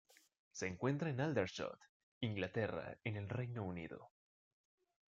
Se encuentra en Aldershot, Inglaterra en el Reino Unido.